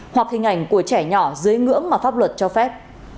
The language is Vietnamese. hoặc hình ảnh của trẻ nhỏ dưới ngưỡng mà pháp luật cho phép